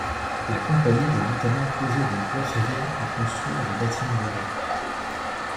La Compagnie doit notamment poser les voies ferrées et construire les bâtiments des gares.